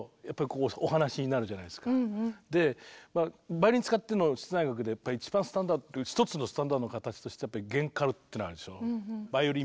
バイオリン使っての室内楽でやっぱ一番スタンダード一つのスタンダードな形としてやっぱり弦カルっていうのあるでしょ。